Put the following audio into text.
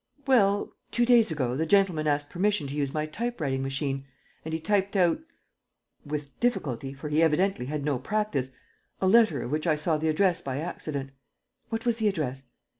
..." "Well, two days ago, the gentleman asked permission to use my typewriting machine; and he typed out with difficulty, for he evidently had no practice a letter of which I saw the address by accident." "What was the address?"